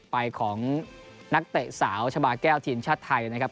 ไปของนักเตะสาวชาบาแก้วทีมชาติไทยนะครับ